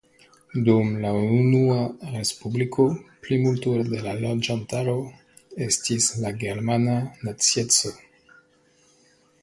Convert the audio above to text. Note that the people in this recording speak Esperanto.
Dum la unua respubliko plimulto de la loĝantaro estis la germana nacieco.